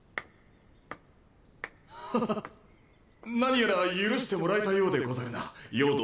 ハハ何やら許してもらえたようでござるな葉殿。